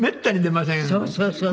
そうそうそうそう。